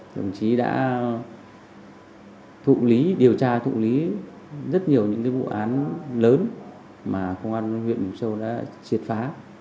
đồng chí đã thụ lý điều tra thụ lý rất nhiều những vụ án lớn mà công an huyện mộc châu đã triệt phá